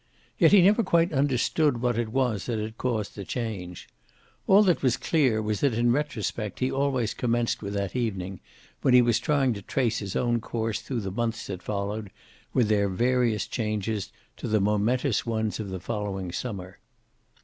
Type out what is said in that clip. Yet he never quite understood what it was that had caused the change. All that was clear was that in retrospect he always commenced with that evening, when he was trying to trace his own course through the months that followed, with their various changes, to the momentous ones of the following Summer.